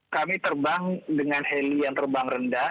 kami terbang dengan heli yang terbang rendah